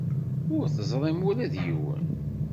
Ur teẓrim ula d yiwen?